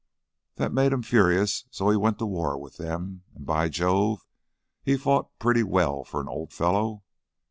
That made him furious, so he went to war with them, and, by Jove, he fought pretty well for an old fellow!